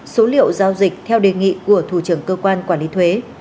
số liệu giao dịch theo đề nghị của thủ trưởng cơ quan quản lý thuế